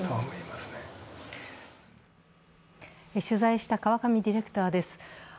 取材した川上ディレクターです。